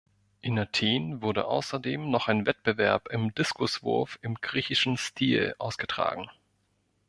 In Athen wurde außerdem noch ein Wettbewerb im "Diskuswurf im griechischen Stil" ausgetragen.